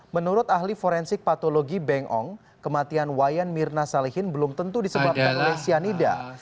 menurut ahli forensik patologi beng ong kematian wayan mirna salihin belum tentu disebabkan oleh cyanida